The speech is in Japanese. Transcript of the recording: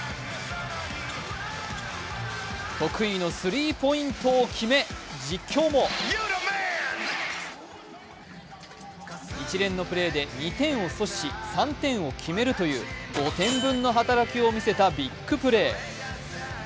得意のスリーポイントを決め、実況も一連のプレーで２点を阻止し３点を決めるという５点分の働きを見せたビッグプレー。